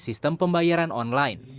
sistem pembayaran online